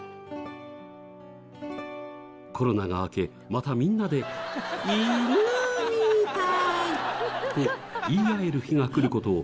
・コロナが明けまたみんなで「イヌみたい！」って言い合える日が来る事を。